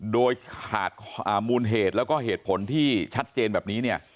โดยขาดมูลเหตุแล้วก็เหตุผลที่ชัดเจนแบบนี้เนี่ย